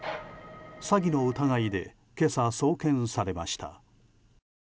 詐欺の疑いで今朝、送検されました。